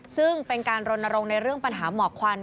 ซึ่งเป็นการรณรงค์ในเรื่องปัญหาหมอกควัน